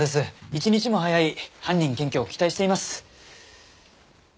一日も早い犯人検挙を期待しています。